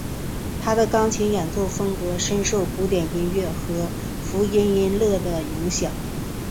他的钢琴演奏风格深受古典音乐和福音音乐的影响。